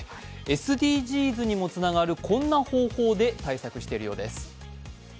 ＳＤＧｓにもつながる、こんな方法で対策しているようです。